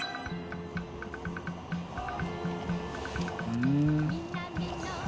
うん。